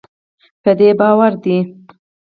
په دې باور دی